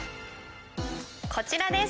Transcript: こちらです。